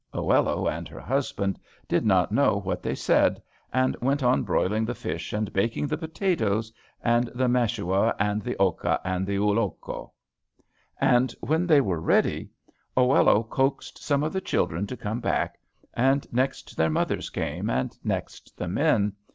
Oello and her husband did not know what they said, and went on broiling the fish and baking the potatoes, and the mashua, and the oca, and the ulloco. And when they were ready, Oello coaxed some of the children to come back, and next their mothers came and next the men.